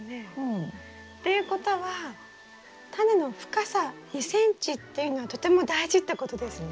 っていうことはタネの深さ２ｃｍっていうのはとても大事ってことですね。